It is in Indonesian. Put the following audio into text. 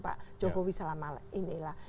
pak jokowi selama inilah